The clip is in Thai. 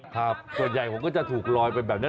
ส่วนใหญ่ผมก็จะถูกลอยไปแบบนี้